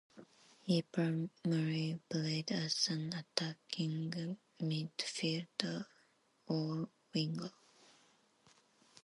He primary played as an attacking midfielder or winger.